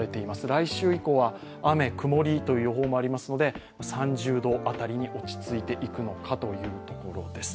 来週以降は、雨、曇りという予報もありますので３０度あたりに落ち着いていくのかというところです。